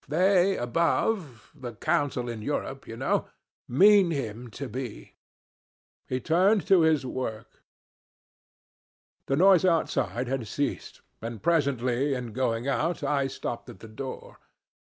They, above the Council in Europe, you know mean him to be.' "He turned to his work. The noise outside had ceased, and presently in going out I stopped at the door.